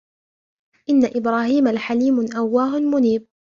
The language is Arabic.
إِنَّ إِبْرَاهِيمَ لَحَلِيمٌ أَوَّاهٌ مُنِيبٌ